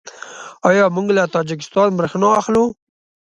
آیا موږ له تاجکستان بریښنا اخلو؟